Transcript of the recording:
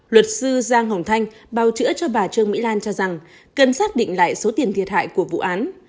luật sư giang hồng thanh bào chữa cho bà trương mỹ lan cho rằng cần xác định lại số tiền thiệt hại của vụ án